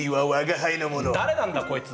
誰なんだ、こいつ。